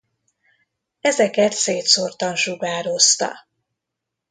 Ezeket szétszórtan sugározta.